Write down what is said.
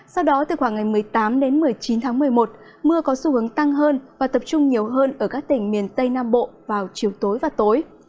sau đó từ khoảng ngày một mươi tám đến một mươi chín tháng một mươi một mưa có xu hướng tăng hơn và tập trung nhiều hơn ở các tỉnh miền tây nam bộ vào chiều tối và tối